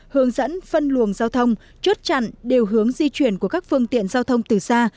hướng dẫn phân luồng giao thông chốt chặn điều hướng di chuyển của các phương tiện giao thông từ xa